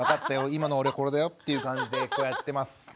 今の俺これだよっていう感じでこうやってます。